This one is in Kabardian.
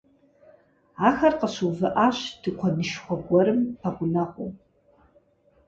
Ахэр къыщыувыӏащ тыкуэнышхуэ гуэрым пэгъунэгъуу.